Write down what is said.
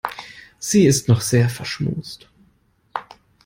Sie ist noch sehr verschmust.